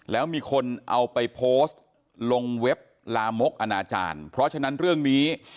แล้วมีคนเอาไปโพสต์ลงเว็บลามกอนาจารย์เพราะฉะนั้นเรื่องนี้